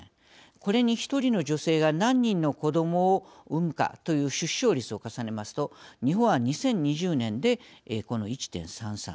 これに、１人の女性が何人の子どもを産むかという出生率を重ねますと日本は２０２０年でこの１．３３。